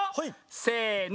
せの！